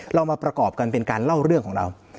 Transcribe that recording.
เรามาประกอบกันเป็นการเล่าเรื่องของเรา